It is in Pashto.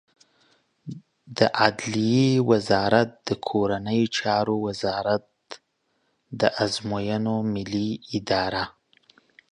د عدلیې وزارت د کورنیو چارو وزارت، د ازموینو ملی اداره